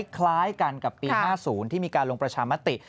คล้ายกันกับปี๕๐ที่มีการลงประชามติ